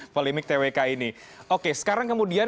polemik twk ini oke sekarang kemudian